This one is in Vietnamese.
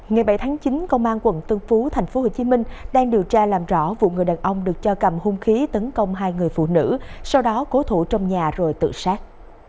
ngày bảy tháng chín công an quận tân phú tp hcm đang điều tra làm rõ vụ người đàn ông được cho cầm hung khí tấn công hai người phụ nữ sau đó cố thủ trong nhà rồi tự sát